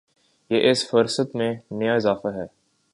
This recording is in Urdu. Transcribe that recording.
یہ اس فہرست میں نیا اضافہ ہے۔